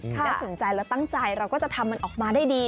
ถ้าสนใจเราตั้งใจเราก็จะทำมันออกมาได้ดี